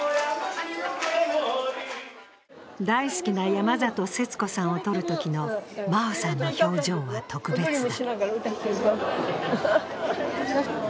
大好きな山里節子さんを撮るときの真生さんの表情は特別だ。